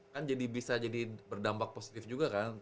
kan bisa jadi berdampak positif juga kan